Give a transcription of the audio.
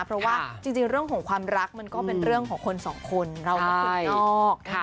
เพราะว่าจริงเรื่องของความรักมันก็เป็นเรื่องของคนสองคนเรากับคนนอก